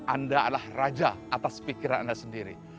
anda adalah raja atas pikiran anda sendiri